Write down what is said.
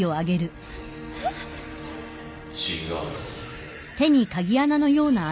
・違う。